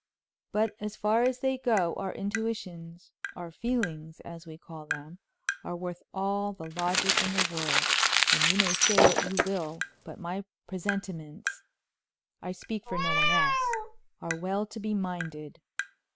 But as far as they go, our intuitions our "feelings," as we call them are worth all the logic in the world, and you may say what you will, but my presentiments I speak for no one else are well to be minded.